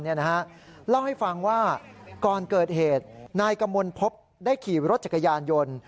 เล่าให้ฟังว่าก่อนเกิดเหตุนายกมลพบได้ขี่รถจักรยานยนต์